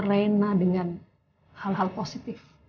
rena dengan hal hal positif